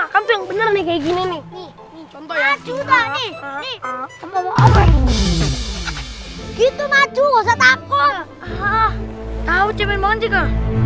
hai ah tahu jaman juga